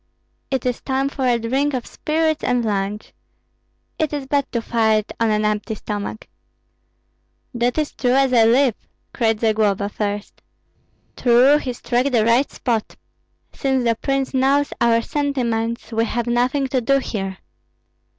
It is time for a drink of spirits and lunch. It is bad to fight on an empty stomach." "That is as true as I live!" cried Zagloba, first. "True, he struck the right spot. Since the prince knows our sentiments, we have nothing to do here!"